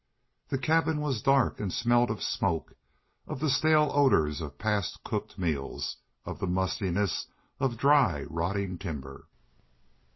The cabin was dark and smelled of smoke, of the stale odors of past cooked meals, of the mustiness of dry, rotting timber.